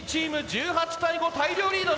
１８対５大量リード。